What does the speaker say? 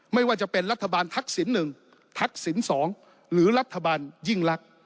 ไม่ว่าจะเป็นรัฐบาลทักษิณ๑ทักษิณ๒หรือรัฐบาลยิ่งรัก